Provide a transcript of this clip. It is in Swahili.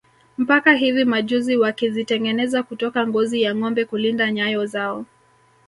Mpaka hivi majuzi wakizitengeneza kutoka ngozi ya ngombe kulinda nyayo zao